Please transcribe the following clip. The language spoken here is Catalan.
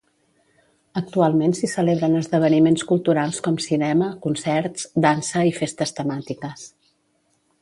Actualment s'hi celebren esdeveniments culturals com cinema, concerts, dansa i festes temàtiques.